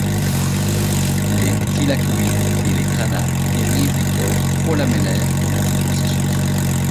Les thylakoïdes et les grana dérivent des corps prolamellaires pendant ce processus.